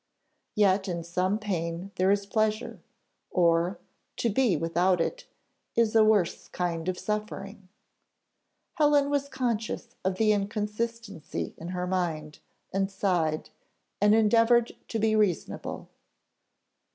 Yet in some pain there is pleasure; or, to be without it, is a worse kind of suffering. Helen was conscious of the inconsistency in her mind, and sighed, and endeavoured to be reasonable.